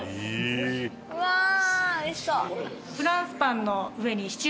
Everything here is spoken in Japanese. うわー、おいしそう！